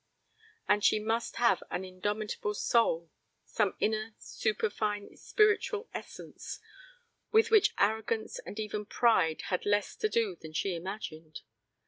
And she must have an indomitable soul, some inner super fine spiritual essence, with which arrogance and even pride had less to do than she imagined.